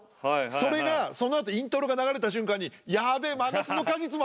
それがそのあとイントロが流れた瞬間に「やべ『真夏の果実』もあった」みたいな。